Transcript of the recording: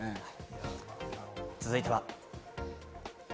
続いては。